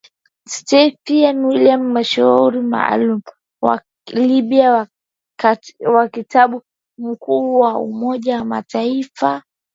Stephanie Williams mshauri maalum kwa Libya wa katibu mkuu wa Umoja wa Mataifa Antonio Guterres.